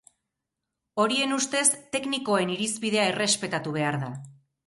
Horien ustez, teknikoen irizpidea errespetatu behar da.